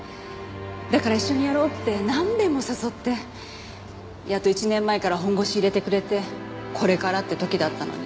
だから一緒にやろうってなんべんも誘ってやっと１年前から本腰入れてくれてこれからって時だったのに。